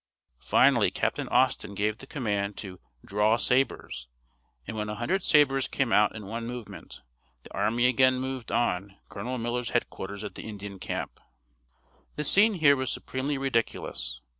Finally Capt. Austin gave the command to "draw sabers" and when a hundred sabers came out in one movement, the army again moved on Colonel Miller's headquarters at the Indian camp. The scene here was supremely ridiculous.